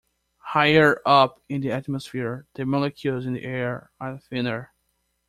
Higher up in the atmosphere, the molecules in the air are thinner.